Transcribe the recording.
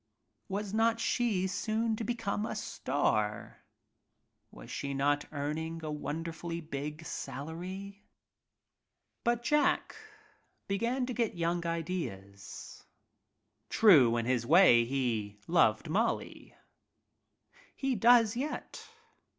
she soon to become a star? Was she not earning a wonderfully big salary ? But Jack began to get young ideas. way he loved Molly; he does vet.